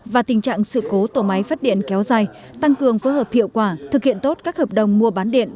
và tình trạng sự cố tổ máy phát điện kéo dài tăng cường phối hợp hiệu quả thực hiện tốt các hợp đồng mua bán điện